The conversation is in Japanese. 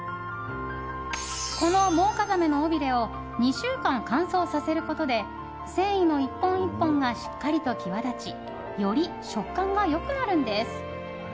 このモウカザメの尾びれを２週間乾燥させることで繊維の１本１本がしっかりと際立ちより食感が良くなるんです。